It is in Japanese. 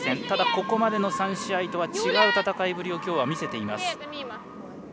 ただ、ここまでの３試合とは違う戦いぶりを今日は見せています。